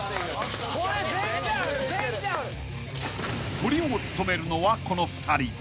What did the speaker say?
［トリを務めるのはこの２人］